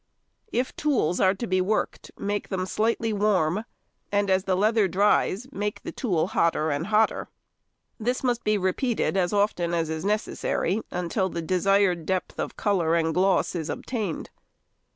If tools are to be worked, make them slightly warm, and as the leather dries make the tool hotter and hotter. This must be repeated as often as is necessary, until the desired depth of colour and gloss is obtained.